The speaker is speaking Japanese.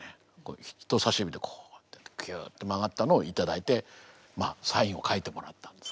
人さし指でこうやってぎゅと曲がったのを頂いてまあサインを書いてもらったんです。